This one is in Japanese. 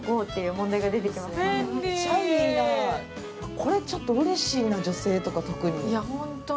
これちょっとうれしいな、女性とか特に。